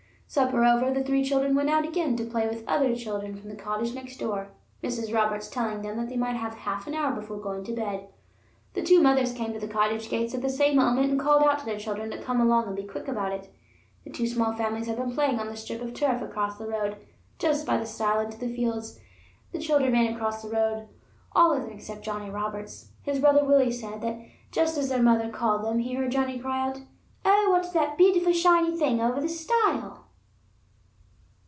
Supper over, the three children went out again to play with other children from the cottage next door, Mrs. Roberts telling them that they might have half an hour before going to bed. The two mothers came to the cottage gates at the same moment and called out to their children to come along and be quick about it. The two small families had been playing on the strip of turf across the road, just by the stile into the fields. The children ran across the road; all of them except Johnnie Roberts. His brother Willie said that just as their mother called them he heard Johnnie cry out: "Oh, what is that beautiful shiny thing over the stile?"